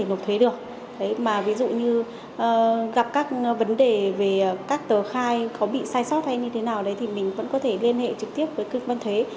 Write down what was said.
nộp thuế được mà ví dụ như gặp các vấn đề về các tờ khai có bị sai sót hay như thế nào đấy thì mình vẫn có thể liên hệ trực tiếp với cơ quan thuế